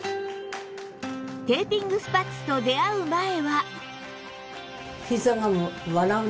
テーピングスパッツと出会う前は